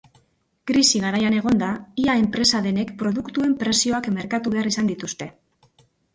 Krisi garaian egonda, ia enpresa denek produktuen prezioa merkatu behar izan dituzte.